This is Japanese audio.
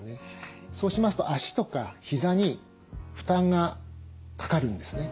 そうしますと脚とか膝に負担がかかるんですね。